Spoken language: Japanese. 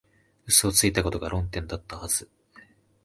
嘘をついたことが論点だったはず